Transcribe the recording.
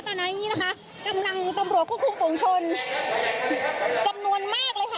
ตอนนี้นะคะกำลังตำรวจควบคุมฝุงชนจำนวนมากเลยค่ะ